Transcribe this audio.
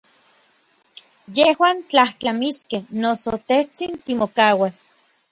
Yejuan tlajtlamiskej, noso tejtsin timokauas.